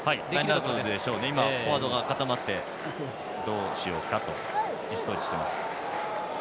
ラインアウトからフォワードが固まってどうしようかと意思統一しています。